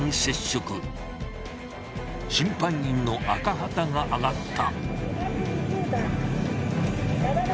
審判員の赤旗が上がった。